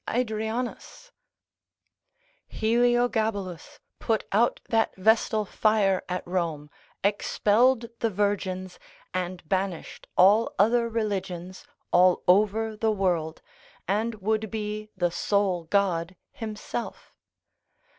Adrianus: Heliogabalus, put out that vestal fire at Rome, expelled the virgins, and banished all other religions all over the world, and would be the sole God himself.